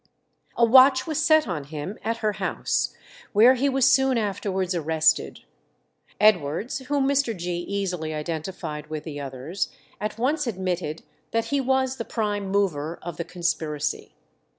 A watch was set on him at her house, where he was soon afterwards arrested. Edwards, whom Mr. Gee easily identified with the others, at once admitted that he was the prime mover of the conspiracy.